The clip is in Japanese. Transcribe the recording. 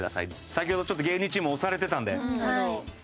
先ほどちょっと芸人チーム押されてたので。